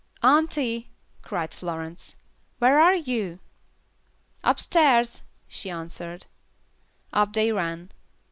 "Auntie," cried Florence, "where are you?" "Upstairs," she answered. Up they ran.